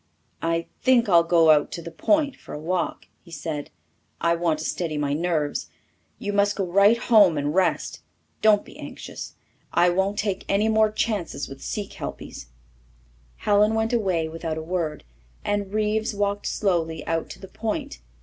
"I think I'll go out to the Point for a walk," he said. "I want to steady my nerves. You must go right home and rest. Don't be anxious I won't take any more chances with sea kelpies." Helen went away without a word, and Reeves walked slowly out to the Point.